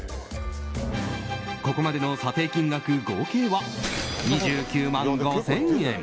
ここまでの査定金額合計は２９万５０００円。